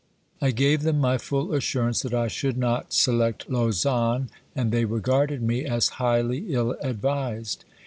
I gave them my full assurance that I should not select Lausanne, and they regarded me as highly ill advised.